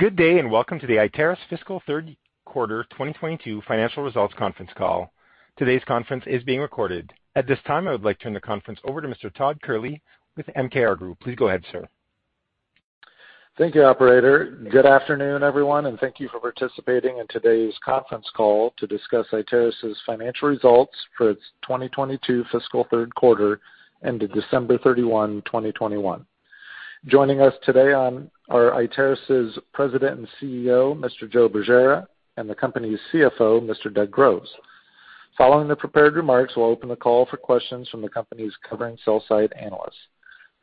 Good day, and welcome to the Iteris fiscal Q3 2022 financial results conference call. Today's conference is being recorded. At this time, I would like to turn the conference over to Mr. Todd Kehrli with MKR Group. Please go ahead, sir. Thank you, operator. Good afternoon, everyone, and thank you for participating in today's conference call to discuss Iteris' financial results for its 2022 fiscal Q3 ended December 31, 2021. Joining us today are Iteris' President and CEO, Mr. Joe Bergera, and the company's CFO, Mr. Doug Groves. Following the prepared remarks, we'll open the call for questions from the company's covering sell-side analysts.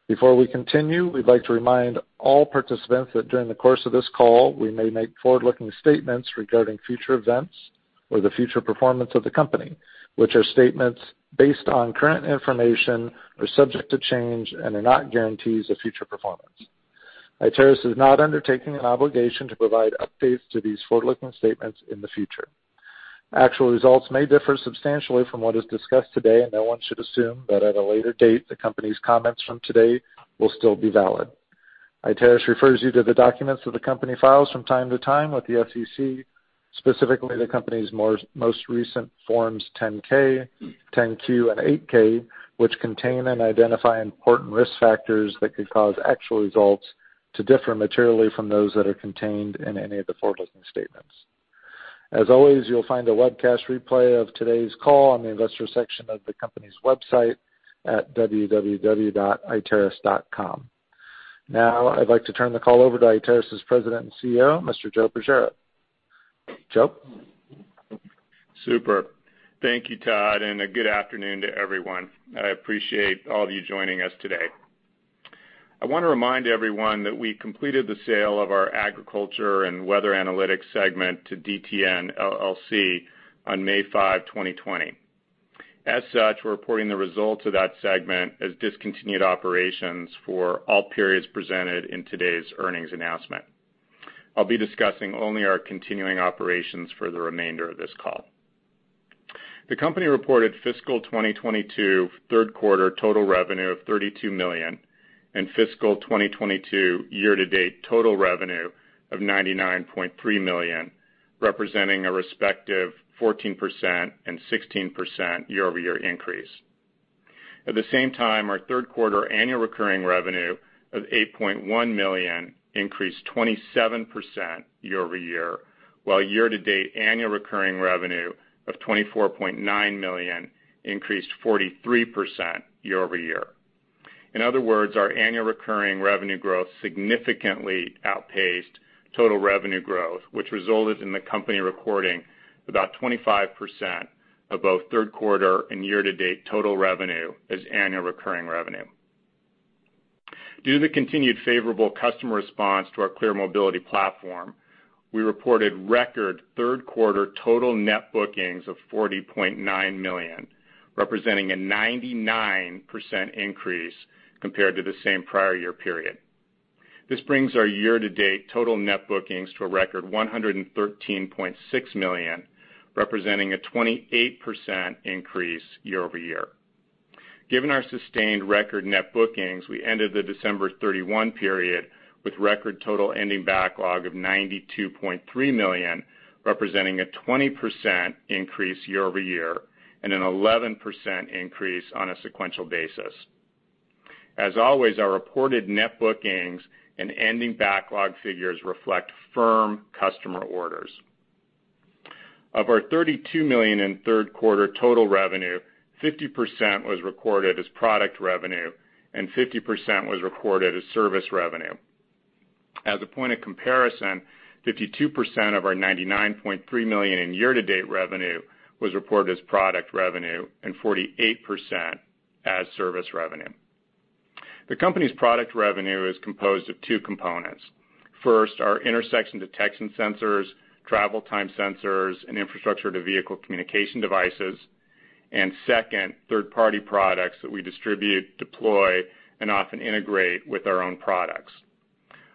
Before we continue, we'd like to remind all participants that during the course of this call, we may make forward-looking statements regarding future events or the future performance of the company, which are statements based on current information, are subject to change, and are not guarantees of future performance. Iteris is not undertaking an obligation to provide updates to these forward-looking statements in the future. Actual results may differ substantially from what is discussed today, and no one should assume that at a later date, the company's comments from today will still be valid. Iteris refers you to the documents that the company files from time to time with the SEC, specifically the company's most recent Forms 10-K, 10-Q, and 8-K, which contain and identify important risk factors that could cause actual results to differ materially from those that are contained in any of the forward-looking statements. As always, you'll find a webcast replay of today's call on the Investor section of the company's website at www.iteris.com. Now, I'd like to turn the call over to Iteris' President and CEO, Mr. Joe Bergera. Joe? Super. Thank you, Todd, and a good afternoon to everyone. I appreciate all of you joining us today. I wanna remind everyone that we completed the sale of our agriculture and weather analytics segment to DTN, LLC on May 5, 2020. As such, we're reporting the results of that segment as discontinued operations for all periods presented in today's earnings announcement. I'll be discussing only our continuing operations for the remainder of this call. The company reported fiscal 2022 Q3 total revenue of $32 million and fiscal 2022 year-to-date total revenue of $99.3 million, representing a respective 14% and 16% year-over-year increase. At the same time, our Q3 annual recurring revenue of $8.1 million increased 27% year-over-year, while year-to-date annual recurring revenue of $24.9 million increased 43% year-over-year. In other words, our annual recurring revenue growth significantly outpaced total revenue growth, which resulted in the company recording about 25% of both Q3 and year-to-date total revenue as annual recurring revenue. Due to the continued favorable customer response to our ClearMobility platform, we reported record Q3 total net bookings of $40.9 million, representing a 99% increase compared to the same prior year period. This brings our year-to-date total net bookings to a record $113.6 million, representing a 28% increase year-over-year. Given our sustained record net bookings, we ended the December 31 period with record total ending backlog of $92.3 million, representing a 20% increase year-over-year and an 11% increase on a sequential basis. As always, our reported net bookings and ending backlog figures reflect firm customer orders. Of our $32 million in Q3 total revenue, 50% was recorded as product revenue and 50% was recorded as service revenue. As a point of comparison, 52% of our $99.3 million in year-to-date revenue was reported as product revenue and 48% as service revenue. The company's product revenue is composed of two components. First, our intersection detection sensors, travel time sensors, and infrastructure-to-vehicle communication devices. Second, third-party products that we distribute, deploy, and often integrate with our own products.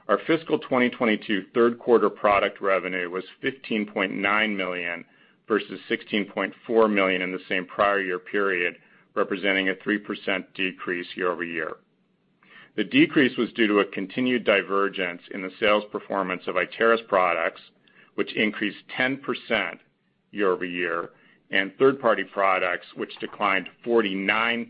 Our fiscal 2022 Q3 product revenue was $15.9 million versus $16.4 million in the same prior year period, representing a 3% decrease year-over-year. The decrease was due to a continued divergence in the sales performance of Iteris products, which increased 10% year-over-year, and third-party products, which declined 49%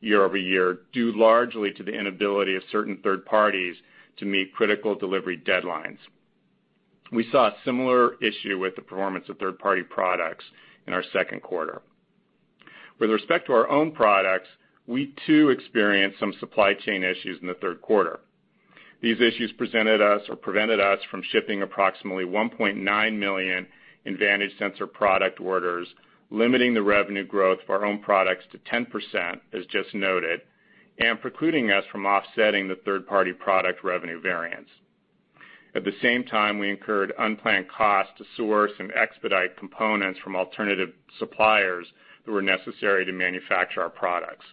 year-over-year, due largely to the inability of certain third parties to meet critical delivery deadlines. We saw a similar issue with the performance of third-party products in our Q2. With respect to our own products, we too experienced some supply chain issues in the Q3. These issues prevented us from shipping approximately $1.9 million Vantage sensor product orders, limiting the revenue growth of our own products to 10%, as just noted, and precluding us from offsetting the third-party product revenue variance. At the same time, we incurred unplanned costs to source and expedite components from alternative suppliers who were necessary to manufacture our products.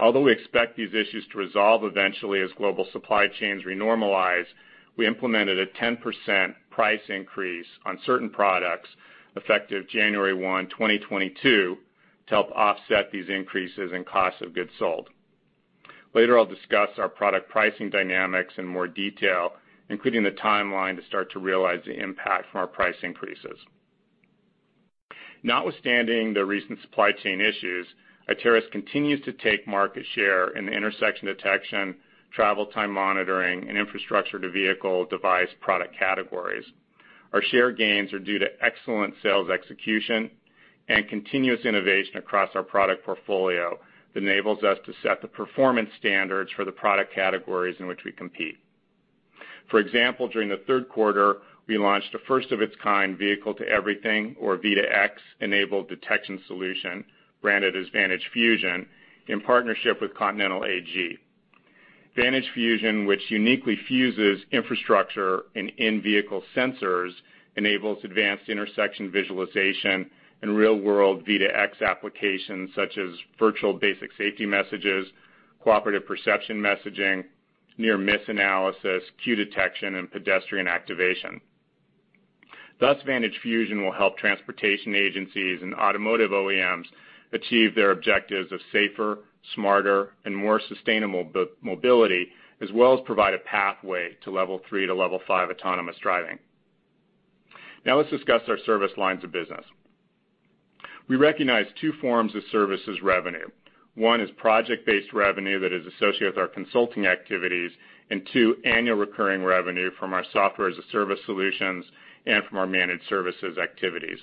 Although we expect these issues to resolve eventually as global supply chains renormalize, we implemented a 10% price increase on certain products effective January 1, 2022. To help offset these increases in cost of goods sold. Later, I'll discuss our product pricing dynamics in more detail, including the timeline to start to realize the impact from our price increases. Notwithstanding the recent supply chain issues, Iteris continues to take market share in the intersection detection, travel time monitoring, and infrastructure to vehicle device product categories. Our share gains are due to excellent sales execution and continuous innovation across our product portfolio that enables us to set the performance standards for the product categories in which we compete. For example, during the Q3, we launched a first of its kind vehicle to everything, or V2X-enabled detection solution branded as Vantage Fusion in partnership with Continental AG. Vantage Fusion, which uniquely fuses infrastructure and in-vehicle sensors, enables advanced intersection visualization and real-world V2X applications such as virtual basic safety messages, cooperative perception messaging, near-miss analysis, queue detection, and pedestrian activation. Thus, Vantage Fusion will help transportation agencies and automotive OEMs achieve their objectives of safer, smarter, and more sustainable mobility, as well as provide a pathway to level three to level five autonomous driving. Now let's discuss our service lines of business. We recognize two forms of services revenue. One is project-based revenue that is associated with our consulting activities, and two, annual recurring revenue from our software-as-a-service solutions and from our managed services activities.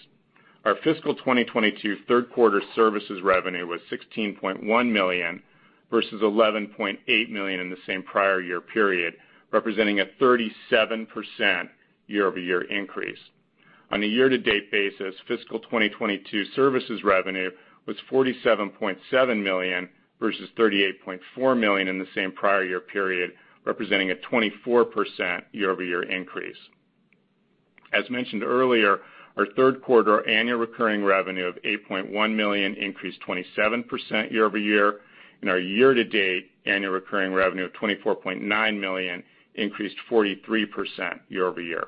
Our fiscal 2022 Q3 services revenue was $16.1 million, versus $11.8 million in the same prior year period, representing a 37% year-over-year increase. On a year-to-date basis, Fiscal 2022 services revenue was $47.7 million, versus $38.4 million in the same prior year period, representing a 24% year-over-year increase. As mentioned earlier, our Q3 annual recurring revenue of $8.1 million increased 27% year-over-year, and our year-to-date annual recurring revenue of $24.9 million increased 43% year-over-year.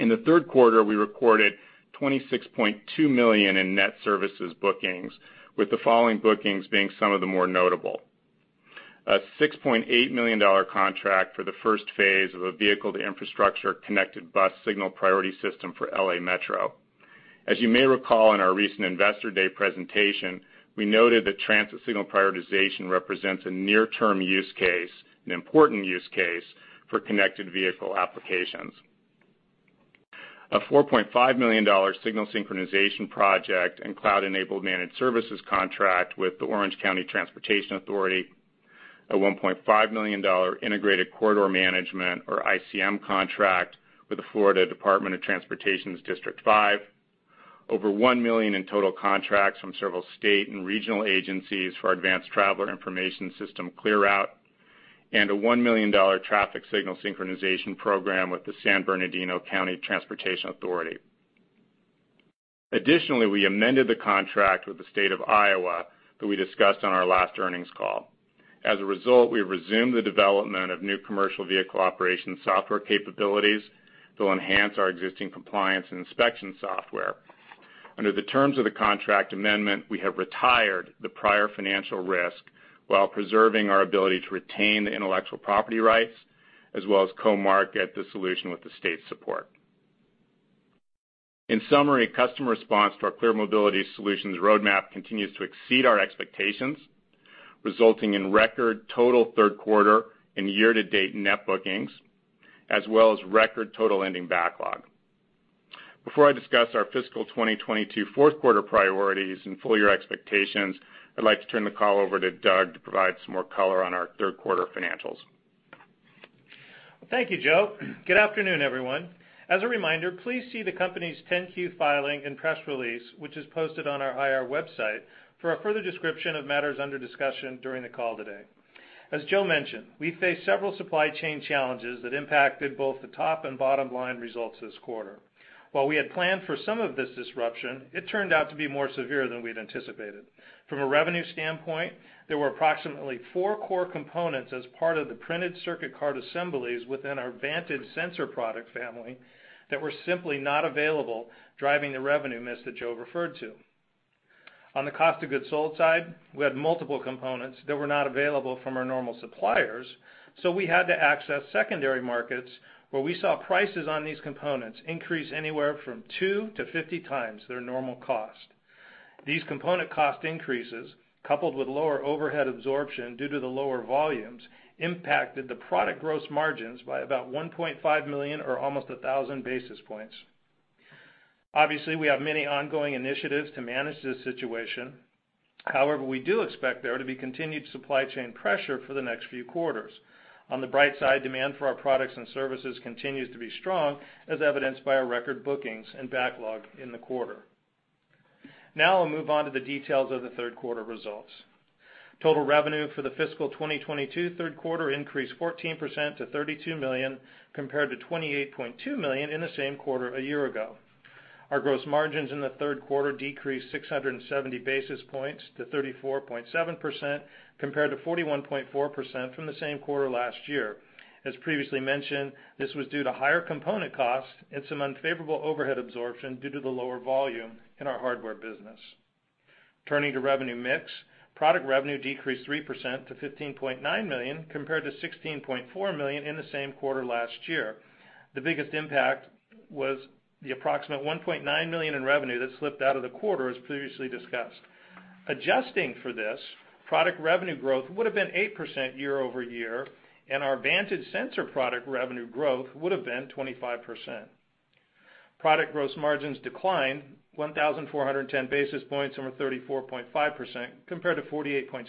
In the Q3, we recorded $26.2 million in net services bookings, with the following bookings being some of the more notable. A $6.8 million contract for the first phase of a vehicle-to-infrastructure connected bus signal priority system for L.A. Metro. As you may recall in our recent Investor Day presentation, we noted that transit signal prioritization represents a near-term use case, an important use case for connected vehicle applications. A $4.5 million signal synchronization project and cloud-enabled managed services contract with the Orange County Transportation Authority. A $1.5 million integrated corridor management, or ICM, contract with the Florida Department of Transportation's District Five. Over $1 million in total contracts from several state and regional agencies for our advanced traveler information system, ClearRoute, and a $1 million traffic signal synchronization program with the San Bernardino County Transportation Authority. Additionally, we amended the contract with the state of Iowa that we discussed on our last earnings call. As a result, we resumed the development of new commercial vehicle operations software capabilities that will enhance our existing compliance and inspection software. Under the terms of the contract amendment, we have retired the prior financial risk while preserving our ability to retain the intellectual property rights as well as co-market the solution with the state's support. In summary, customer response to our ClearMobility Solutions roadmap continues to exceed our expectations, resulting in record total Q3 and year-to-date net bookings, as well as record total ending backlog. Before I discuss our fiscal 2022 Q4 priorities and full year expectations, I'd like to turn the call over to Doug to provide some more color on our Q3 financials. Thank you, Joe. Good afternoon, everyone. As a reminder, please see the company's 10-Q filing and press release, which is posted on our IR website, for a further description of matters under discussion during the call today. As Joe mentioned, we faced several supply chain challenges that impacted both the top and bottom line results this quarter. While we had planned for some of this disruption, it turned out to be more severe than we'd anticipated. From a revenue standpoint, there were approximately four core components as part of the printed circuit card assemblies within our Vantage sensor product family that were simply not available, driving the revenue miss that Joe referred to. On the cost of goods sold side, we had multiple components that were not available from our normal suppliers, so we had to access secondary markets where we saw prices on these components increase anywhere from 2 to 50 times their normal cost. These component cost increases, coupled with lower overhead absorption due to the lower volumes, impacted the product gross margins by about $1.5 million or almost 1,000 basis points. Obviously, we have many ongoing initiatives to manage this situation. However, we do expect there to be continued supply chain pressure for the next few quarters. On the bright side, demand for our products and services continues to be strong, as evidenced by our record bookings and backlog in the quarter. Now I'll move on to the details of the Q3 results. Total revenue for the fiscal 2022 Q3 increased 14% to $32 million, compared to $28.2 million in the same quarter a year ago. Our gross margins in the Q3 decreased 670 basis points to 34.7%, compared to 41.4% from the same quarter last year. As previously mentioned, this was due to higher component costs and some unfavorable overhead absorption due to the lower volume in our hardware business. Turning to revenue mix, product revenue decreased 3% to $15.9 million compared to $16.4 million in the same quarter last year. The biggest impact was the approximate $1.9 million in revenue that slipped out of the quarter as previously discussed. Adjusting for this, product revenue growth would have been 8% year-over-year, and our Vantage sensor product revenue growth would have been 25%. Product gross margins declined 1,410 basis points to 34.5% compared to 48.6%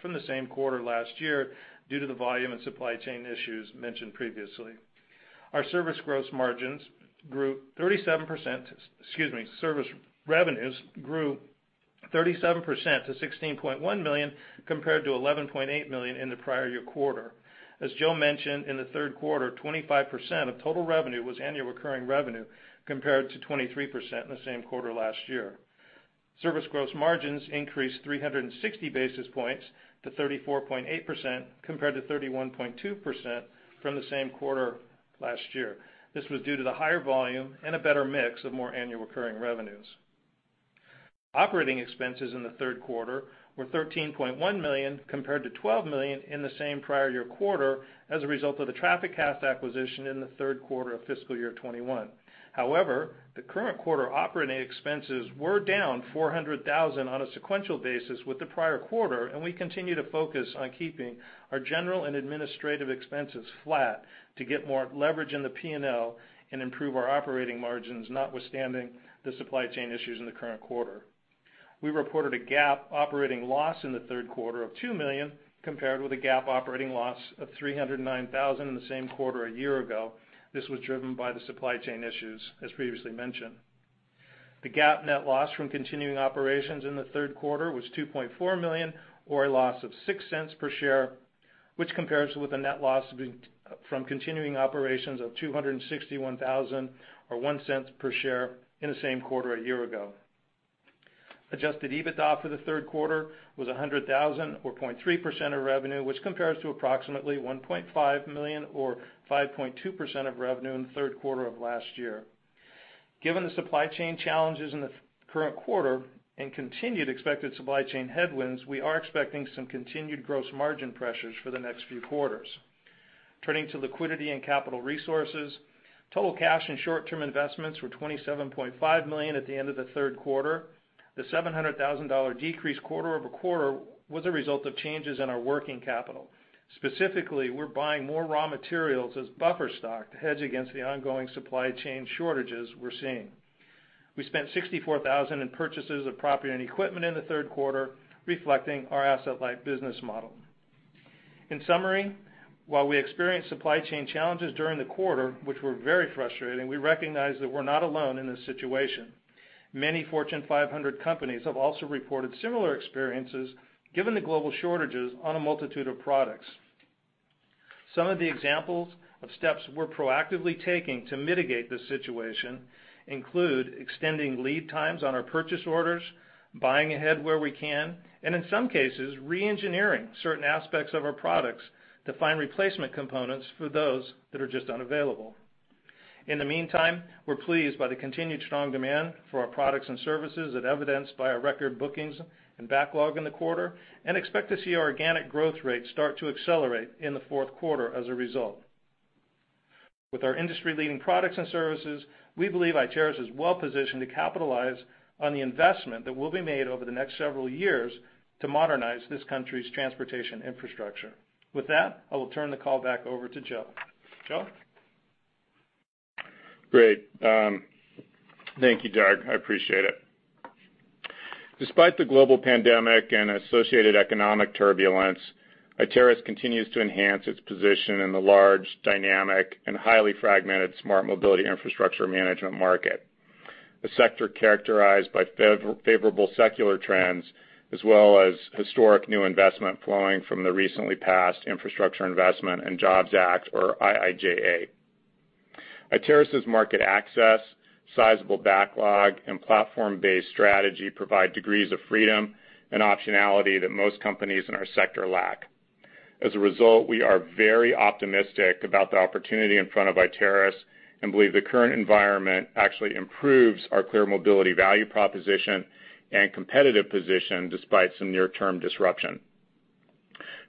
from the same quarter last year due to the volume and supply chain issues mentioned previously. Our service gross margins grew 37%. Excuse me, service revenues grew 37% to $16.1 million compared to $11.8 million in the prior year quarter. As Joe mentioned, in the Q3, 25% of total revenue was annual recurring revenue, compared to 23% in the same quarter last year. Service gross margins increased 360 basis points to 34.8%, compared to 31.2% from the same quarter last year. This was due to the higher volume and a better mix of more annual recurring revenues. Operating expenses in the Q3 were $13.1 million, compared to $12 million in the same prior year quarter as a result of the TrafficCast acquisition in the Q3 of fiscal year 2021. However, the current quarter operating expenses were down $400,000 on a sequential basis with the prior quarter, and we continue to focus on keeping our general and administrative expenses flat to get more leverage in the P&L and improve our operating margins, notwithstanding the supply chain issues in the current quarter. We reported a GAAP operating loss in the Q3 of $2 million, compared with a GAAP operating loss of $309,000 in the same quarter a year ago. This was driven by the supply chain issues as previously mentioned. The GAAP net loss from continuing operations in the Q3 was $2.4 million or a loss of $0.06 per share, which compares with a net loss from continuing operations of $261 thousand or $0.01 per share in the same quarter a year ago. Adjusted EBITDA for the Q3 was $100 thousand or 0.3% of revenue, which compares to approximately $1.5 million or 5.2% of revenue in the Q3 of last year. Given the supply chain challenges in the current quarter and continued expected supply chain headwinds, we are expecting some continued gross margin pressures for the next few quarters. Turning to liquidity and capital resources. Total cash and short-term investments were $27.5 million at the end of the Q3. The $700,000 decrease quarter-over-quarter was a result of changes in our working capital. Specifically, we're buying more raw materials as buffer stock to hedge against the ongoing supply chain shortages we're seeing. We spent $64,000 in purchases of property and equipment in the Q3, reflecting our asset-light business model. In summary, while we experienced supply chain challenges during the quarter, which were very frustrating, we recognize that we're not alone in this situation. Many Fortune 500 companies have also reported similar experiences given the global shortages on a multitude of products. Some of the examples of steps we're proactively taking to mitigate this situation include extending lead times on our purchase orders, buying ahead where we can, and in some cases, re-engineering certain aspects of our products to find replacement components for those that are just unavailable. In the meantime, we're pleased by the continued strong demand for our products and services as evidenced by our record bookings and backlog in the quarter, and expect to see our organic growth rate start to accelerate in the Q4 as a result. With our industry-leading products and services, we believe Iteris is well positioned to capitalize on the investment that will be made over the next several years to modernize this country's transportation infrastructure. With that, I will turn the call back over to Joe. Joe? Great. Thank you, Doug. I appreciate it. Despite the global pandemic and associated economic turbulence, Iteris continues to enhance its position in the large, dynamic and highly fragmented smart mobility infrastructure management market, a sector characterized by favorable secular trends, as well as historic new investment flowing from the recently passed Infrastructure Investment and Jobs Act, or IIJA. Iteris' market access, sizable backlog, and platform-based strategy provide degrees of freedom and optionality that most companies in our sector lack. As a result, we are very optimistic about the opportunity in front of Iteris and believe the current environment actually improves our ClearMobility value proposition and competitive position despite some near-term disruption.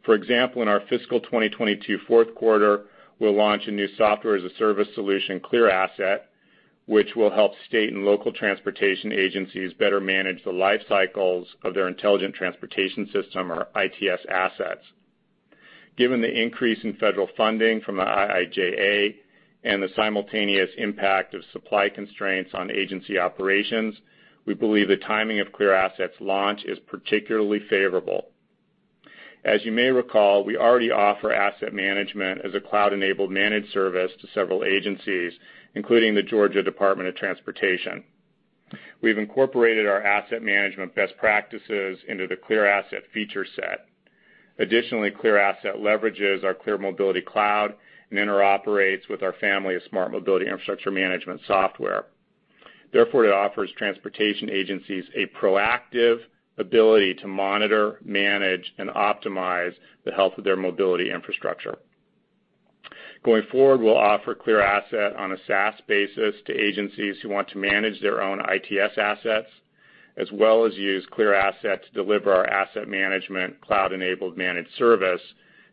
For example, in our fiscal 2022 Q4, we'll launch a new software-as-a-service solution, ClearAsset, which will help state and local transportation agencies better manage the life cycles of their intelligent transportation system or ITS assets. Given the increase in federal funding from the IIJA and the simultaneous impact of supply constraints on agency operations, we believe the timing of ClearAsset's launch is particularly favorable. As you may recall, we already offer asset management as a cloud-enabled managed service to several agencies, including the Georgia Department of Transportation. We've incorporated our asset management best practices into the ClearAsset feature set. Additionally, ClearAsset leverages our ClearMobility cloud and interoperates with our family of smart mobility infrastructure management software. Therefore, it offers transportation agencies a proactive ability to monitor, manage, and optimize the health of their mobility infrastructure. Going forward, we'll offer ClearAsset on a SaaS basis to agencies who want to manage their own ITS assets, as well as use ClearAsset to deliver our asset management cloud-enabled managed service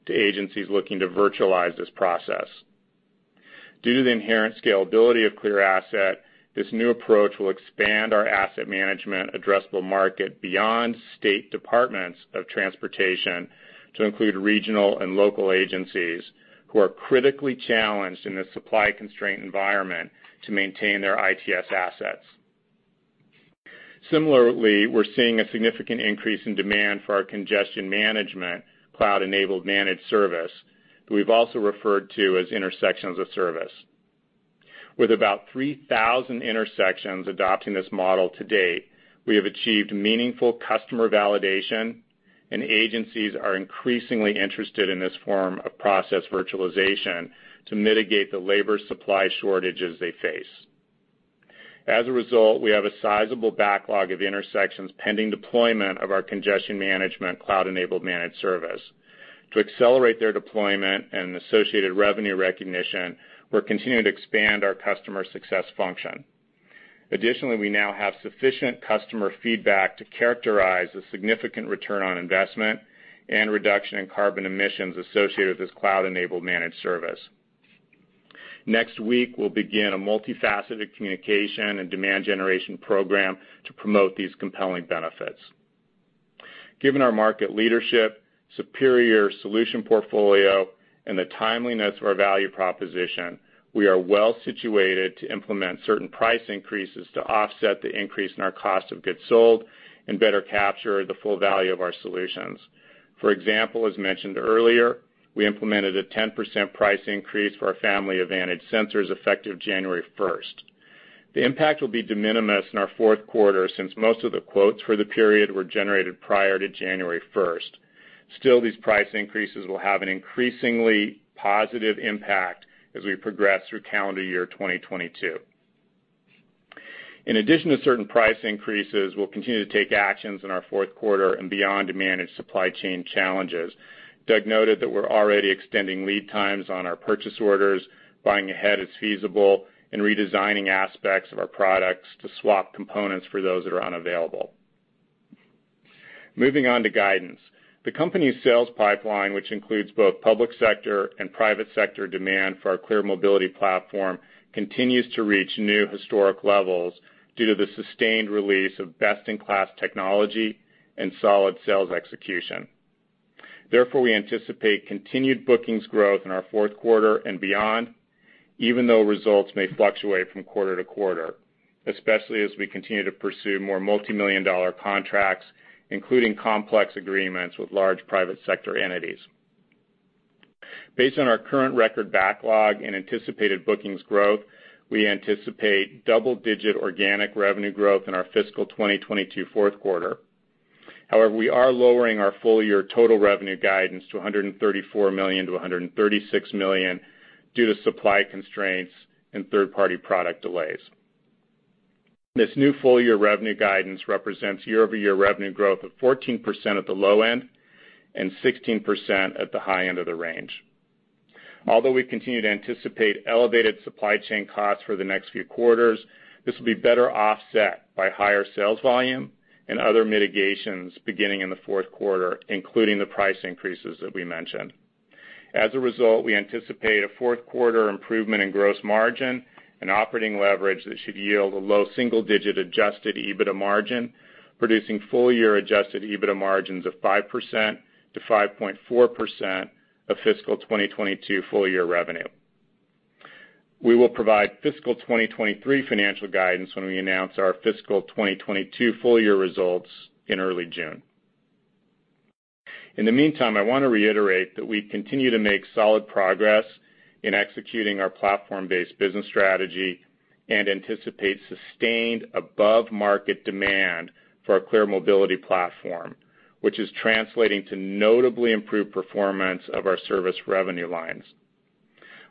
to agencies looking to virtualize this process. Due to the inherent scalability of ClearAsset, this new approach will expand our asset management addressable market beyond state departments of transportation to include regional and local agencies who are critically challenged in this supply constraint environment to maintain their ITS assets. Similarly, we're seeing a significant increase in demand for our congestion management cloud-enabled managed service, which we've also referred to as Intersections as a Service. With about 3,000 intersections adopting this model to date, we have achieved meaningful customer validation, and agencies are increasingly interested in this form of process virtualization to mitigate the labor supply shortages they face. As a result, we have a sizable backlog of intersections pending deployment of our congestion management cloud-enabled managed service. To accelerate their deployment and associated revenue recognition, we're continuing to expand our customer success function. Additionally, we now have sufficient customer feedback to characterize the significant return on investment and reduction in carbon emissions associated with this cloud-enabled managed service. Next week, we'll begin a multifaceted communication and demand generation program to promote these compelling benefits. Given our market leadership, superior solution portfolio, and the timeliness of our value proposition, we are well situated to implement certain price increases to offset the increase in our cost of goods sold and better capture the full value of our solutions. For example, as mentioned earlier, we implemented a 10% price increase for our family of Vantage sensors effective January first. The impact will be de minimis in our Q4 since most of the quotes for the period were generated prior to January first. Still, these price increases will have an increasingly positive impact as we progress through calendar year 2022. In addition to certain price increases, we'll continue to take actions in our Q4 and beyond to manage supply chain challenges. Doug noted that we're already extending lead times on our purchase orders, buying ahead as feasible, and redesigning aspects of our products to swap components for those that are unavailable. Moving on to guidance. The company's sales pipeline, which includes both public sector and private sector demand for our ClearMobility platform, continues to reach new historic levels due to the sustained release of best-in-class technology and solid sales execution. Therefore, we anticipate continued bookings growth in our Q4 and beyond, even though results may fluctuate from quarter to quarter, especially as we continue to pursue more multimillion-dollar contracts, including complex agreements with large private sector entities. Based on our current record backlog and anticipated bookings growth, we anticipate double-digit organic revenue growth in our fiscal 2022 Q4. However, we are lowering our full year total revenue guidance to $134 million-$136 million due to supply constraints and third-party product delays. This new full year revenue guidance represents year-over-year revenue growth of 14% at the low end and 16% at the high end of the range. Although we continue to anticipate elevated supply chain costs for the next few quarters, this will be better offset by higher sales volume and other mitigations beginning in the Q4, including the price increases that we mentioned. As a result, we anticipate a Q4 improvement in gross margin and operating leverage that should yield a low single-digit adjusted EBITDA margin, producing full year adjusted EBITDA margins of 5%-5.4% of fiscal 2022 full year revenue. We will provide fiscal 2023 financial guidance when we announce our fiscal 2022 full year results in early June. In the meantime, I wanna reiterate that we continue to make solid progress in executing our platform-based business strategy and anticipate sustained above-market demand for our ClearMobility platform, which is translating to notably improved performance of our service revenue lines.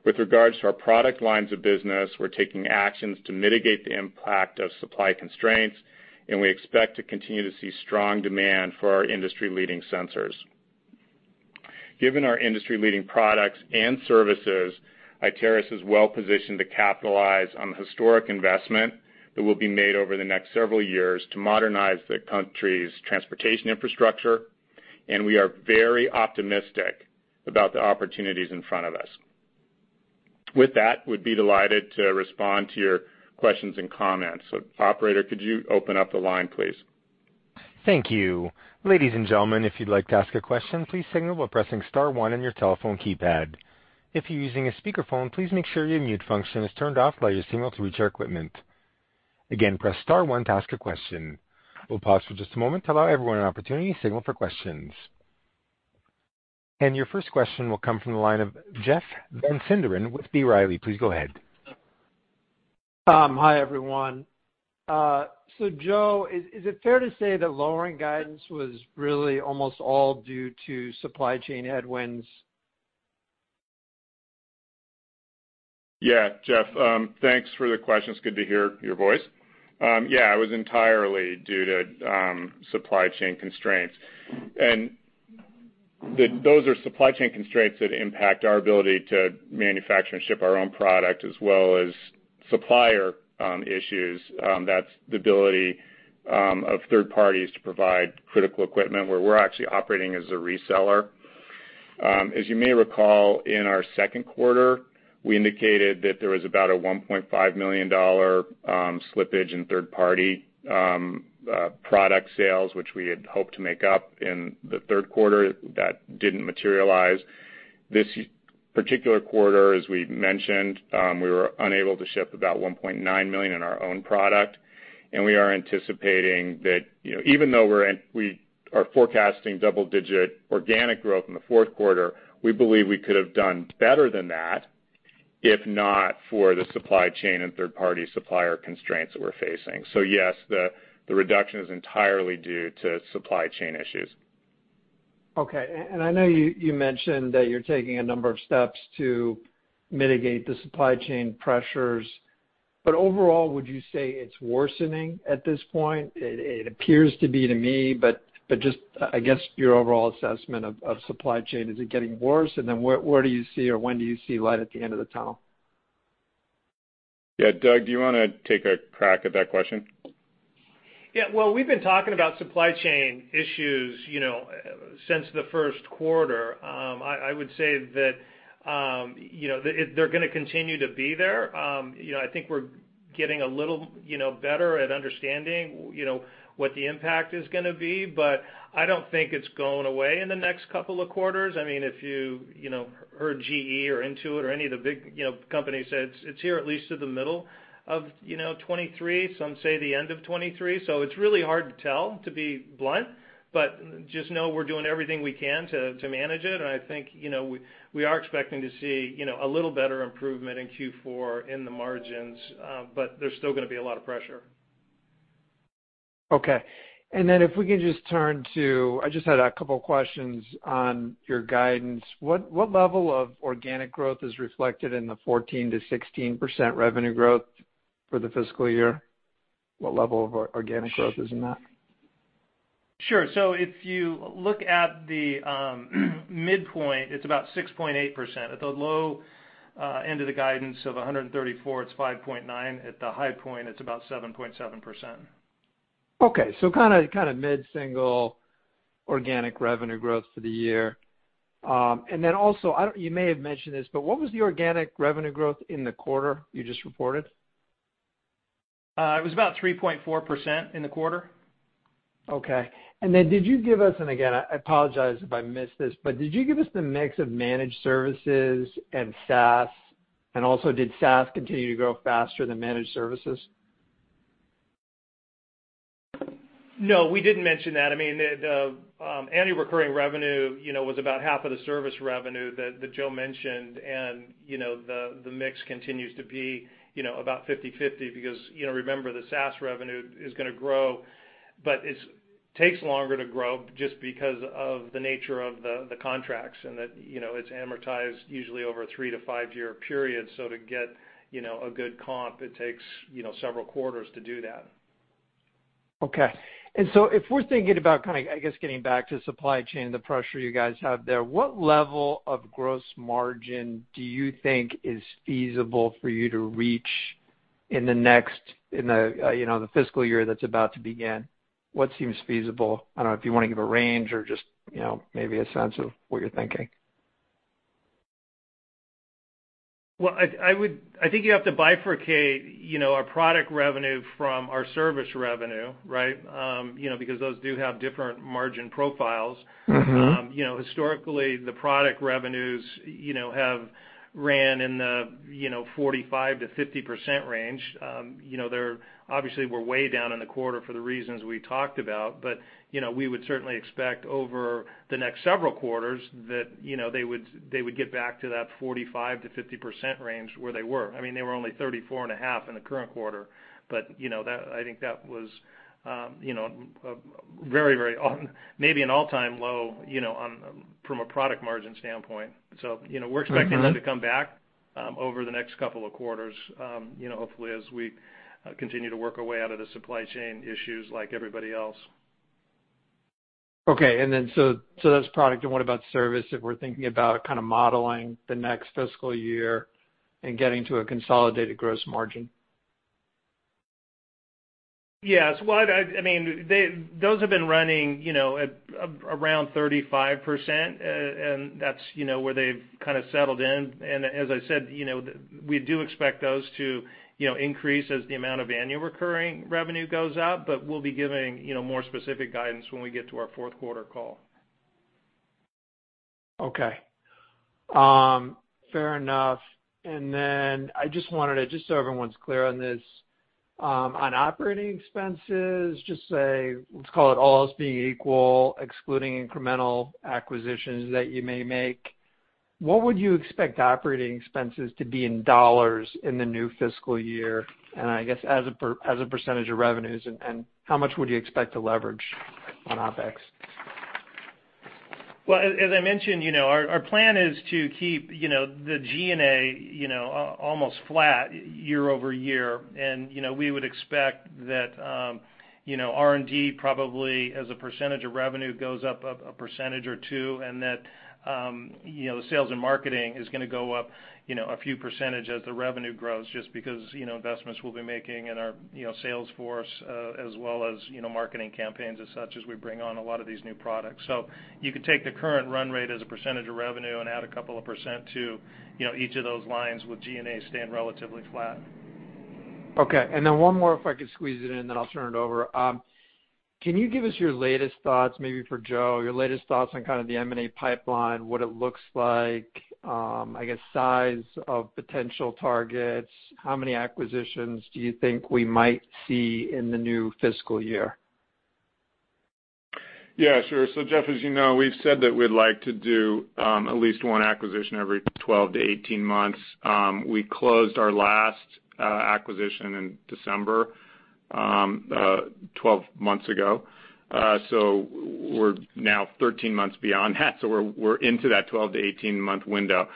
With regards to our product lines of business, we're taking actions to mitigate the impact of supply constraints, and we expect to continue to see strong demand for our industry-leading sensors. Given our industry-leading products and services, Iteris is well positioned to capitalize on the historic investment that will be made over the next several years to modernize the country's transportation infrastructure, and we are very optimistic about the opportunities in front of us. With that, we'd be delighted to respond to your questions and comments. Operator, could you open up the line, please? Thank you. Ladies and gentlemen, if you'd like to ask a question, please signal by pressing star one on your telephone keypad. If you're using a speakerphone, please make sure your mute function is turned off by your signal to reach our equipment. Again, press star one to ask a question. We'll pause for just a moment to allow everyone an opportunity to signal for questions. Your first question will come from the line of Jeff Van Sinderen with B. Riley. Please go ahead. Hi, everyone. Joe, is it fair to say that lowering guidance was really almost all due to supply chain headwinds? Yeah, Jeff, thanks for the questions, good to hear your voice. Yeah, it was entirely due to supply chain constraints. Those are supply chain constraints that impact our ability to manufacture and ship our own product as well as supplier issues, that's the ability of third parties to provide critical equipment where we're actually operating as a reseller. As you may recall, in our Q2, we indicated that there was about a $1.5 million slippage in third party product sales, which we had hoped to make up in the Q3 that didn't materialize. This particular quarter, as we mentioned, we were unable to ship about $1.9 million in our own product, and we are anticipating that, you know, even though we are forecasting double-digit organic growth in the Q4, we believe we could have done better than that if not for the supply chain and third party supplier constraints that we're facing. Yes, the reduction is entirely due to supply chain issues. Okay. And I know you mentioned that you're taking a number of steps to mitigate the supply chain pressures, but overall, would you say it's worsening at this point? It appears to be to me, but just, I guess, your overall assessment of supply chain, is it getting worse? Where do you see or when do you see light at the end of the tunnel? Yeah. Doug, do you wanna take a crack at that question? Yeah. Well, we've been talking about supply chain issues, you know, since the Q1. I would say that, you know, they're gonna continue to be there. You know, I think we're getting a little, you know, better at understanding, you know, what the impact is gonna be, but I don't think it's going away in the next couple of quarters. I mean, if you know, heard GE or Intuit or any of the big, you know, companies say it's here at least to the middle of 2023, some say the end of 2023. It's really hard to tell, to be blunt, but just know we're doing everything we can to manage it. I think, you know, we are expecting to see, you know, a little better improvement in Q4 in the margins, but there's still gonna be a lot of pressure. Okay. If we can just turn to, I just had a couple questions on your guidance. What level of organic growth is reflected in the 14%-16% revenue growth for the fiscal year? What level of organic growth is in that? Sure. If you look at the midpoint, it's about 6.8%. At the low end of the guidance of $134, it's 5.9%. At the high point, it's about 7.7%. Okay. Kinda mid-single organic revenue growth for the year. You may have mentioned this, but what was the organic revenue growth in the quarter you just reported? It was about 3.4% in the quarter. Okay. Did you give us, and again, I apologize if I missed this, but did you give us the mix of managed services and SaaS? Did SaaS continue to grow faster than managed services? No, we didn't mention that. I mean, the annual recurring revenue, you know, was about half of the service revenue that Joe mentioned. The mix continues to be, you know, about 50/50 because, you know, remember, the SaaS revenue is gonna grow, but it takes longer to grow just because of the nature of the contracts and that, you know, it's amortized usually over a three- to five-year period. To get, you know, a good comp, it takes, you know, several quarters to do that. Okay. If we're thinking about kind of, I guess, getting back to supply chain, the pressure you guys have there, what level of gross margin do you think is feasible for you to reach in the next, you know, the fiscal year that's about to begin? What seems feasible? I don't know if you wanna give a range or just, you know, maybe a sense of what you're thinking. Well, I think you have to bifurcate, you know, our product revenue from our service revenue, right? You know, because those do have different margin profiles. Mm-hmm. You know, historically, the product revenues, you know, have ran in the 45%-50% range. You know, they obviously were way down in the quarter for the reasons we talked about. You know, we would certainly expect over the next several quarters that, you know, they would get back to that 45%-50% range where they were. I mean, they were only 34.5% in the current quarter. You know, I think that was a very, very low, maybe an all-time low, you know, from a product margin standpoint. You know, we're expecting that to come back over the next couple of quarters, you know, hopefully as we continue to work our way out of the supply chain issues like everybody else. Okay. That's product. What about service if we're thinking about kind of modeling the next fiscal year and getting to a consolidated gross margin? Yes. Well, I mean, those have been running, you know, at around 35%, and that's, you know, where they've kind of settled in. As I said, you know, we do expect those to, you know, increase as the amount of annual recurring revenue goes up, but we'll be giving, you know, more specific guidance when we get to our Q4 call. Okay. Fair enough. I just wanted to, just so everyone's clear on this, on operating expenses, just say, let's call it all else being equal, excluding incremental acquisitions that you may make, what would you expect operating expenses to be in dollars in the new fiscal year? I guess as a percentage of revenues, and how much would you expect to leverage on OpEx? Well, as I mentioned, you know, our plan is to keep, you know, the G&A, you know, almost flat year-over-year. You know, we would expect that, you know, R&D probably, as a percentage of revenue, goes up 1% or 2%, and that, you know, the sales and marketing is gonna go up, you know, a few percent as the revenue grows just because, you know, investments we'll be making in our, you know, sales force, as well as, you know, marketing campaigns such as we bring on a lot of these new products. You could take the current run rate as a percentage of revenue and add a couple of percent to, you know, each of those lines with G&A staying relatively flat. Okay. Then one more if I could squeeze it in, then I'll turn it over. Can you give us your latest thoughts, maybe for Joe, your latest thoughts on kind of the M&A pipeline, what it looks like, I guess size of potential targets? How many acquisitions do you think we might see in the new fiscal year? Yeah, sure. Jeff, as you know, we've said that we'd like to do at least one acquisition every 12-18 months. We closed our last acquisition in December 12 months ago. We're now 13 months beyond that, so we're into that 12-18-month window.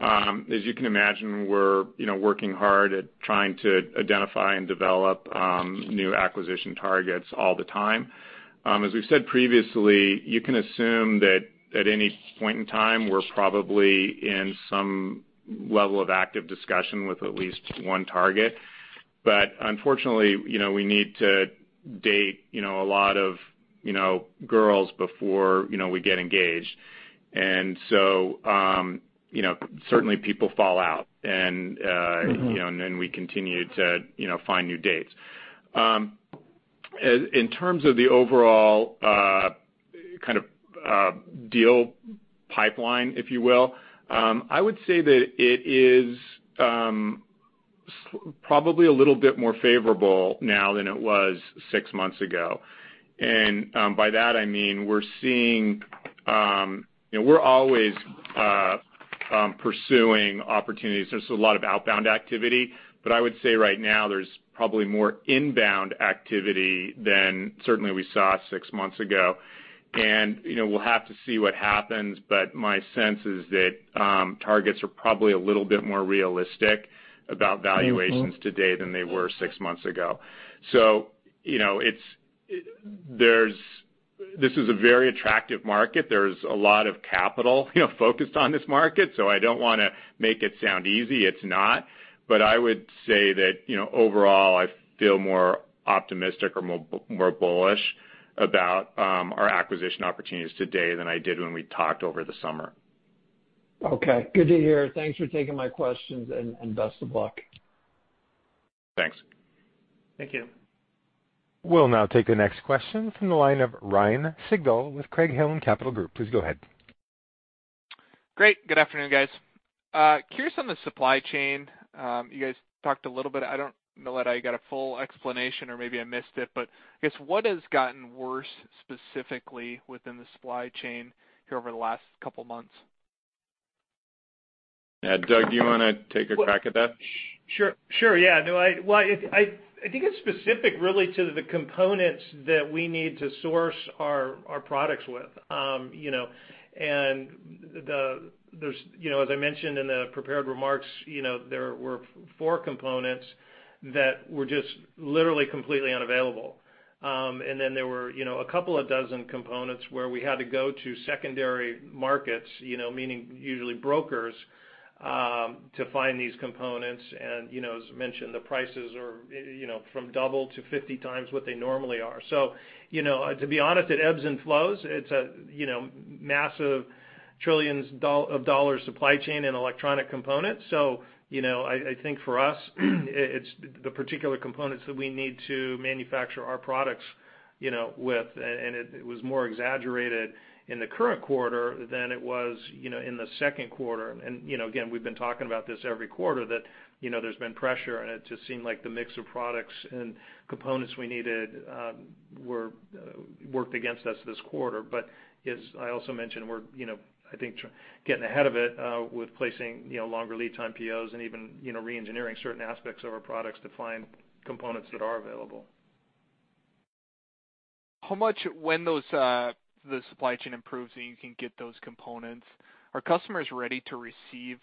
As you can imagine, we're you know working hard at trying to identify and develop new acquisition targets all the time. As we've said previously, you can assume that at any point in time, we're probably in some level of active discussion with at least one target. But unfortunately, you know, we need to date you know a lot of you know girls before you know we get engaged. Certainly people fall out and Mm-hmm... you know, and then we continue to, you know, find new dates. In terms of the overall kind of deal pipeline, if you will, I would say that it is probably a little bit more favorable now than it was six months ago. By that I mean we're seeing, you know, we're always pursuing opportunities. There's a lot of outbound activity, but I would say right now there's probably more inbound activity than certainly we saw six months ago. You know, we'll have to see what happens, but my sense is that targets are probably a little bit more realistic about valuations. Mm-hmm today than they were six months ago. You know, it's. There's this is a very attractive market. There's a lot of capital, you know, focused on this market. I don't wanna make it sound easy. It's not. I would say that, you know, overall, I feel more optimistic or more bullish about our acquisition opportunities today than I did when we talked over the summer. Okay. Good to hear. Thanks for taking my questions, and best of luck. Thanks. Thank you. We'll now take the next question from the line of Ryan Sigdahl with Craig-Hallum Capital Group. Please go ahead. Great. Good afternoon, guys. Curious on the supply chain, you guys talked a little bit. I don't know that I got a full explanation or maybe I missed it, but I guess what has gotten worse specifically within the supply chain here over the last couple months? Yeah. Doug, do you wanna take a crack at that? Sure. Sure, yeah. No. Well, I think it's specific really to the components that we need to source our products with. You know, there's, you know, as I mentioned in the prepared remarks, you know, there were 4 components that were just literally completely unavailable. Then there were, you know, a couple of dozen components where we had to go to secondary markets, you know, meaning usually brokers, to find these components. You know, as mentioned, the prices are, you know, from double to 50 times what they normally are. You know, to be honest, it ebbs and flows. It's a, you know, massive trillions of dollars supply chain in electronic components. You know, I think for us, it's the particular components that we need to manufacture our products, you know, with. It was more exaggerated in the current quarter than it was, you know, in the Q2. You know, again, we've been talking about this every quarter that, you know, there's been pressure, and it just seemed like the mix of products and components we needed, were worked against us this quarter. As I also mentioned, we're, you know, I think getting ahead of it with placing, you know, longer lead time POs and even, you know, reengineering certain aspects of our products to find components that are available. How much, when those the supply chain improves and you can get those components, are customers ready to receive,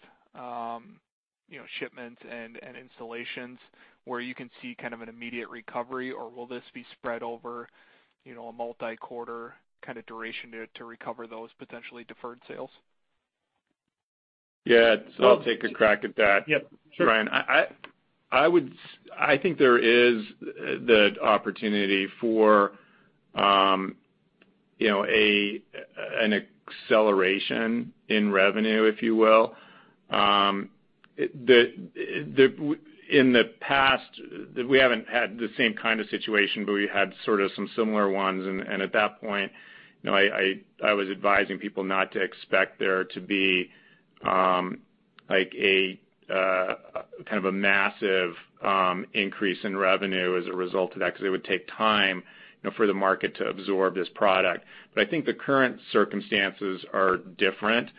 you know, shipments and installations where you can see kind of an immediate recovery, or will this be spread over, you know, a multi-quarter kind of duration to recover those potentially deferred sales? Yeah. I'll take a crack at that. Yep, sure. Ryan. I think there is the opportunity for, you know, an acceleration in revenue, if you will. In the past, we haven't had the same kind of situation, but we had sort of some similar ones. At that point, you know, I was advising people not to expect there to be, like a kind of a massive increase in revenue as a result of that, 'cause it would take time, you know, for the market to absorb this product. But I think the current circumstances are different.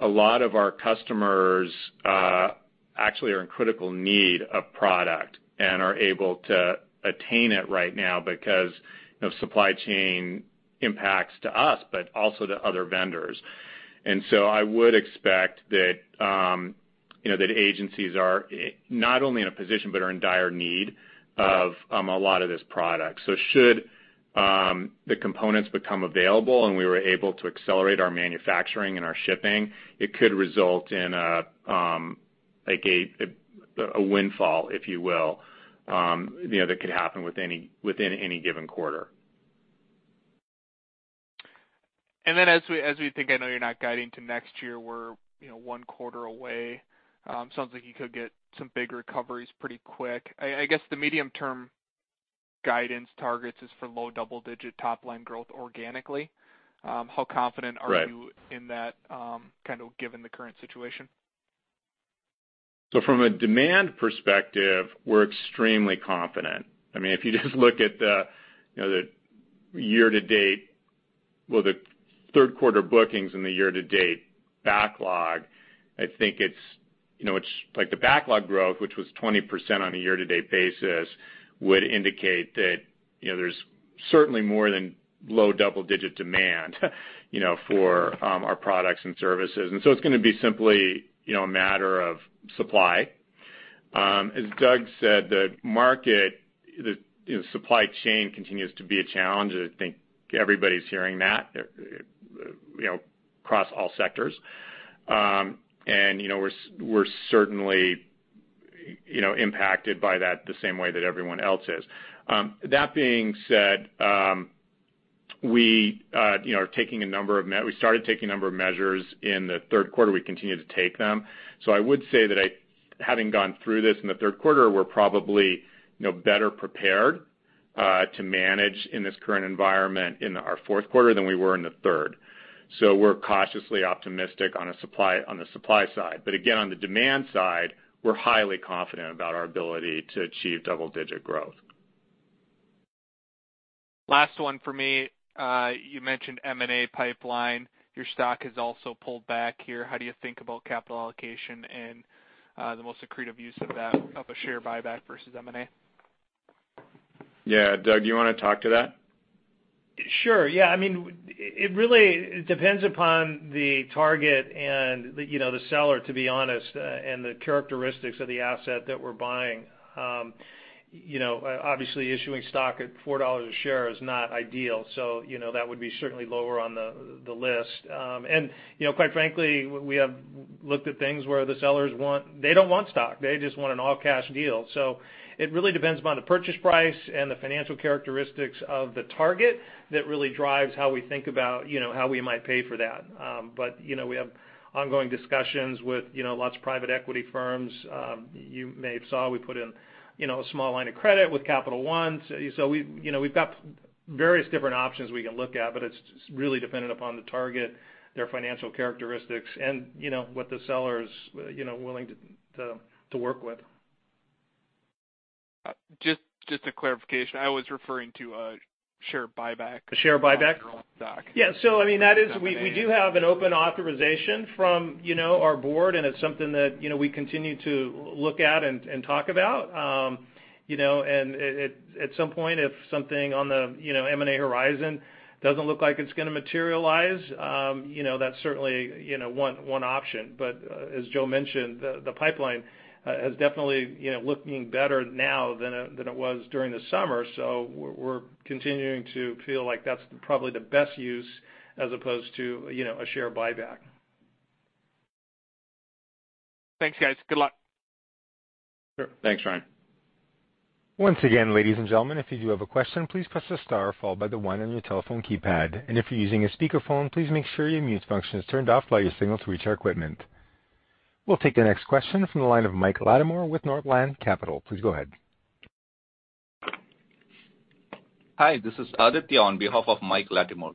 A lot of our customers actually are in critical need of product and are able to attain it right now because of supply chain impacts to us, but also to other vendors. I would expect that, you know, that agencies are not only in a position but are in dire need of, a lot of this product. Should the components become available and we were able to accelerate our manufacturing and our shipping, it could result in a, like a windfall, if you will, you know, that could happen within any given quarter. as we think, I know you're not guiding to next year. We're, you know, one quarter away. Sounds like you could get some big recoveries pretty quick. I guess the medium-term guidance targets is for low double-digit top line growth organically. How confident are you- Right... in that, kind of given the current situation? From a demand perspective, we're extremely confident. I mean, if you just look at the, you know, the year-to-date, well, the Q3 bookings and the year-to-date backlog, I think it's, you know, it's like the backlog growth, which was 20% on a year-to-date basis, would indicate that, you know, there's certainly more than low double-digit demand, you know, for our products and services. It's gonna be simply, you know, a matter of supply. As Doug said, the market, you know, supply chain continues to be a challenge. I think everybody's hearing that, you know, across all sectors. We're certainly, you know, impacted by that the same way that everyone else is. That being said, we started taking a number of measures in the Q3. We continue to take them. I would say that having gone through this in the Q3, we're probably, you know, better prepared to manage in this current environment in our Q4 than we were in the third. We're cautiously optimistic on the supply side. Again, on the demand side, we're highly confident about our ability to achieve double-digit growth. Last one for me. You mentioned M&A pipeline. Your stock has also pulled back here. How do you think about capital allocation and, the most accretive use of that of a share buyback versus M&A? Yeah, Doug, you wanna talk to that? Sure. Yeah. I mean, it really depends upon the target and the, you know, the seller, to be honest, and the characteristics of the asset that we're buying. You know, obviously issuing stock at $4 a share is not ideal. You know, that would be certainly lower on the list. You know, quite frankly, we have looked at things where the sellers want. They don't want stock. They just want an all-cash deal. It really depends upon the purchase price and the financial characteristics of the target that really drives how we think about, you know, how we might pay for that. You know, we have ongoing discussions with, you know, lots of private equity firms. You may have saw, we put in, you know, a small line of credit with Capital One. We've got various different options we can look at, but it's really dependent upon the target, their financial characteristics, and, you know, what the seller's willing to work with. Just a clarification. I was referring to a share buyback. A share buyback? On your own stock. Yeah. I mean. M&A... we do have an open authorization from, you know, our board, and it's something that, you know, we continue to look at and talk about. You know, at some point, if something on the, you know, M&A horizon doesn't look like it's gonna materialize, you know, that's certainly, you know, one option. As Joe mentioned, the pipeline is definitely, you know, looking better now than it was during the summer. We're continuing to feel like that's probably the best use as opposed to, you know, a share buyback. Thanks, guys. Good luck. Sure. Thanks, Ryan. Once again, ladies and gentlemen, if you do have a question, please press the star followed by the one on your telephone keypad. If you're using a speakerphone, please make sure your mute function is turned off so your signal can reach our equipment. We'll take the next question from the line of Michael Latimore with Northland Capital. Please go ahead. Hi, this is Aditya on behalf of Michael Latimore.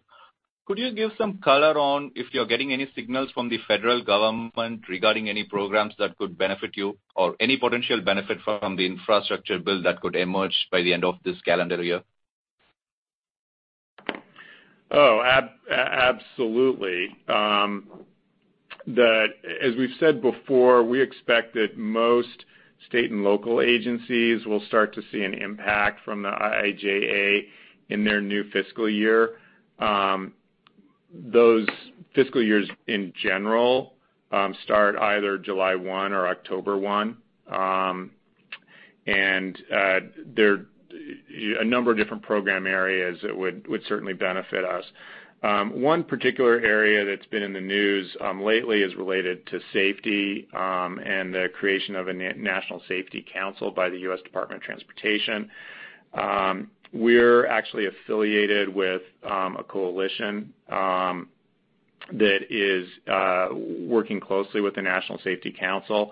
Could you give some color on if you're getting any signals from the federal government regarding any programs that could benefit you or any potential benefit from the infrastructure bill that could emerge by the end of this calendar year? Oh, absolutely. As we've said before, we expect that most state and local agencies will start to see an impact from the IIJA in their new fiscal year. Those fiscal years in general start either July 1 or October 1. A number of different program areas that would certainly benefit us. One particular area that's been in the news lately is related to safety and the creation of a National Roadway Safety Strategy by the U.S. Department of Transportation. We're actually affiliated with a coalition that is working closely with the National Roadway Safety Strategy.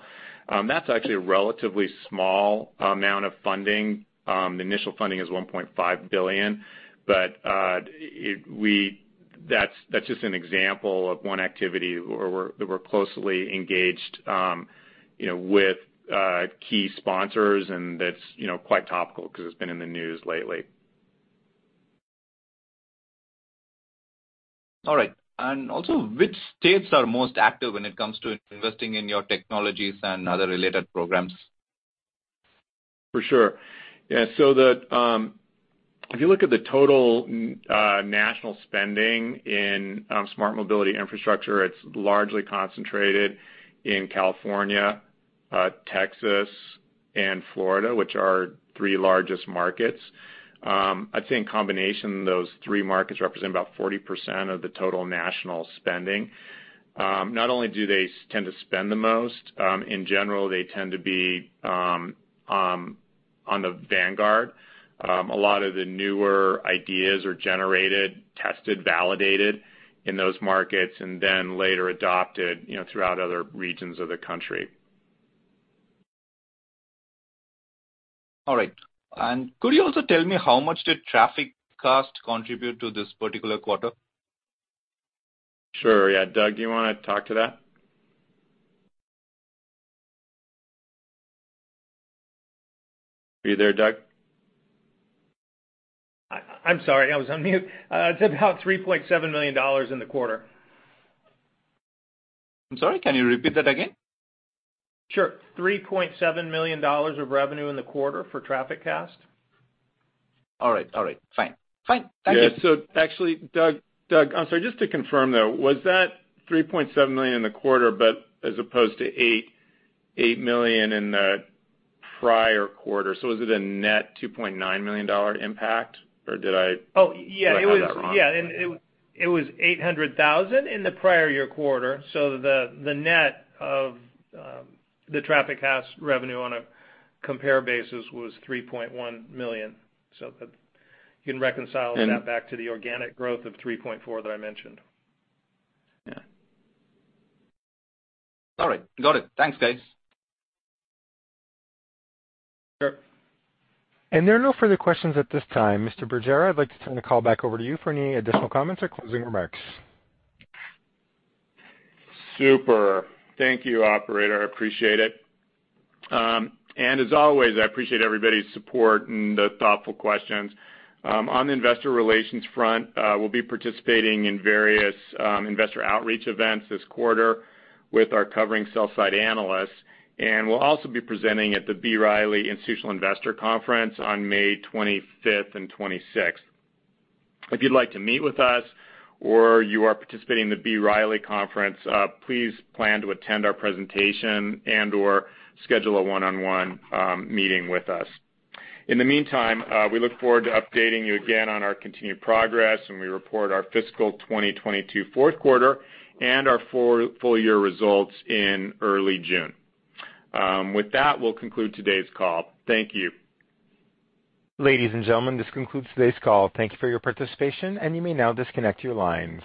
That's actually a relatively small amount of funding. The initial funding is $1.5 billion, but that's just an example of one activity that we're closely engaged, you know, with key sponsors, and that's, you know, quite topical because it's been in the news lately. All right. Which states are most active when it comes to investing in your technologies and other related programs? For sure. Yeah. If you look at the total national spending in smart mobility infrastructure, it's largely concentrated in California, Texas and Florida, which are our three largest markets. I'd say in combination, those three markets represent about 40% of the total national spending. Not only do they tend to spend the most in general, they tend to be on the vanguard. A lot of the newer ideas are generated, tested, validated in those markets and then later adopted, you know, throughout other regions of the country. All right. Could you also tell me how much did TrafficCast contribute to this particular quarter? Sure, yeah. Doug, do you wanna talk to that? Are you there, Doug? I'm sorry, I was on mute. It's about $3.7 million in the quarter. I'm sorry, can you repeat that again? Sure. $3.7 million of revenue in the quarter for TrafficCast. All right. Fine. Thank you. Yeah. Actually, Doug, I'm sorry, just to confirm though, was that $3.7 million in the quarter, but as opposed to $8 million in the prior quarter? Was it a net $2.9 million dollar impact, or did I- Oh, yeah. Do I have that wrong? Yeah. It was $800,000 in the prior year quarter. The net of the TrafficCast revenue on a compare basis was $3.1 million. That you can reconcile that back to the organic growth of 3.4% that I mentioned. Yeah. All right. Got it. Thanks, guys. Sure. There are no further questions at this time. Mr. Bergera, I'd like to turn the call back over to you for any additional comments or closing remarks. Super. Thank you, operator. I appreciate it. As always, I appreciate everybody's support and the thoughtful questions. On the investor relations front, we'll be participating in various investor outreach events this quarter with our covering sell-side analysts. We'll also be presenting at the B. Riley Institutional Investor Conference on May 25th and 26th. If you'd like to meet with us or you are participating in the B. Riley conference, please plan to attend our presentation and/or schedule a one-on-one meeting with us. In the meantime, we look forward to updating you again on our continued progress when we report our fiscal 2022 Q4 and our full year results in early June. With that, we'll conclude today's call. Thank you. Ladies and gentlemen, this concludes today's call. Thank you for your participation, and you may now disconnect your lines.